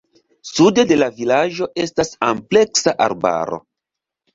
Sude de la vilaĝo estas ampleksa arbaro.